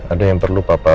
ada yang perlu papa